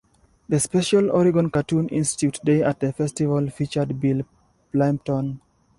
The special Oregon Cartoon Institute day at the festival featured Bill Plympton.